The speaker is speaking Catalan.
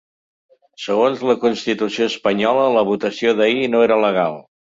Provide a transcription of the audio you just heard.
Segons la constitució espanyola, la votació d’ahir no era legal.